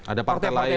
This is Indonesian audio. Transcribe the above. ada partai lain